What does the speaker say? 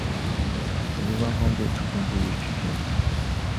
索尼官方对指控不予置评。